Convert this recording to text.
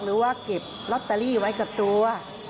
หรือว่าเก็บลอตเตอรี่ไว้กับตัว